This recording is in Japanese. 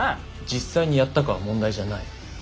実際にやったかは問題じゃない。